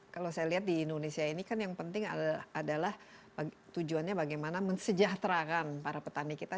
kalau saya lihat di indonesia ini kan yang penting adalah tujuannya bagaimana mensejahterakan para petani kita